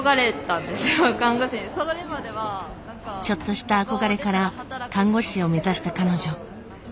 ちょっとした憧れから看護師を目指した彼女。